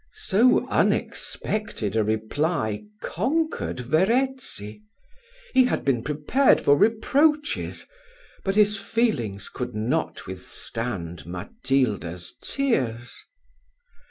So unexpected a reply conquered Verezzi. He had been prepared for reproaches, but his feelings could not withstand Matilda's tears.